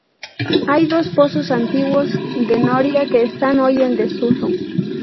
Hay dos pozos antiguos de noria, que están hoy en desuso.